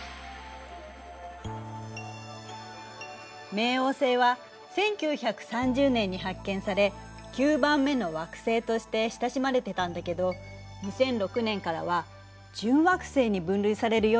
冥王星は１９３０年に発見され９番目の惑星として親しまれてたんだけど２００６年からは準惑星に分類されるようになったの。